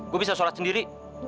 gue bisa sholat sendiri